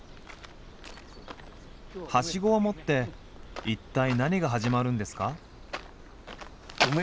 はしごを持って一体何が始まるんですか？